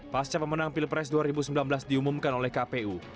pasca pemenang pilpres dua ribu sembilan belas diumumkan oleh kpu